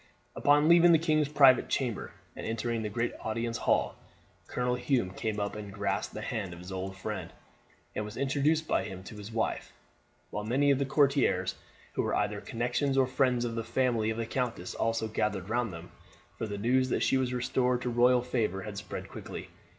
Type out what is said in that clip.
Upon leaving the king's private chamber and entering the great audience hall Colonel Hume came up and grasped the hand of his old friend, and was introduced by him to his wife; while many of the courtiers, who were either connections or friends of the family of the countess, also gathered round them, for the news that she was restored to royal favour had spread quickly.